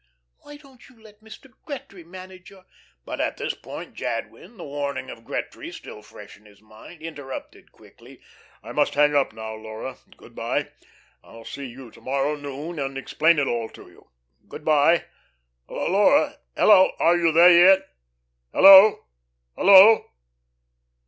Why don't you let Mr. Gretry manage your " But at this point Jadwin, the warning of Gretry still fresh in his mind, interrupted quickly: "I must hang up now, Laura. Good by. I'll see you to morrow noon and explain it all to you. Good by.... Laura.... Hello! ... Are you there yet? ... Hello, hello!"